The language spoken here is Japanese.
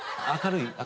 明るい？